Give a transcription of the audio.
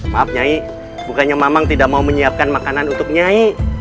maaf nyai bukannya mamang tidak mau menyiapkan makanan untuk nyai